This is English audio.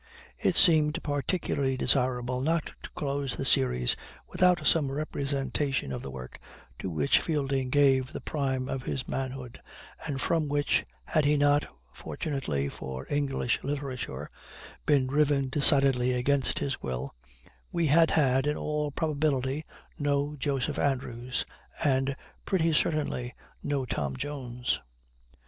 It seemed particularly desirable not to close the series without some representation of the work to which Fielding gave the prime of his manhood, and from which, had he not, fortunately for English literature, been driven decidedly against his will, we had had in all probability no Joseph Andrews, and pretty certainly no Tom Jones.